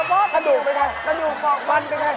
มึงทอมเองเลย